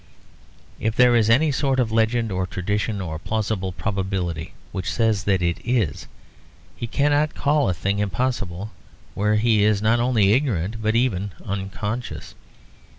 If there is any sort of legend or tradition or plausible probability which says that it is, he cannot call a thing impossible where he is not only ignorant but even unconscious.